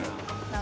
何？